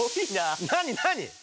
何何？